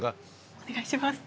お願いします。